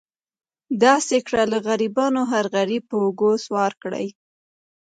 داسې کړه له غریبانو هر غریب پر اوږه سور کړي.